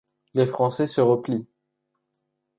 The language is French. Les français se replient.